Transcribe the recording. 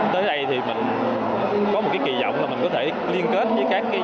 tới đây thì mình có một kỳ vọng là mình có thể liên kết với các nhà hàng